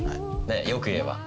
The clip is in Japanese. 良く言えば。